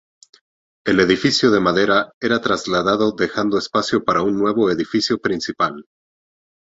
El edificio de madera era trasladado dejando espacio para un nuevo edificio principal.